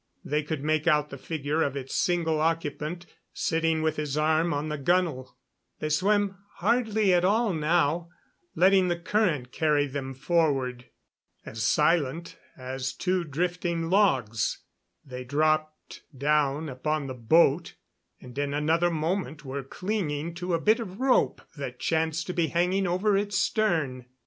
They could make out the figure of its single occupant, sitting with his arm on the gunwale. They swam hardly at all now, letting the current carry them forward. As silent as two drifting logs they dropped down upon the boat and in another moment were clinging to a bit of rope that chanced to be hanging over its stern.